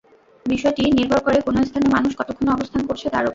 বিষয়টি নির্ভর করে কোন স্থানে মানুষ কতক্ষণ অবস্থান করছে, তার ওপর।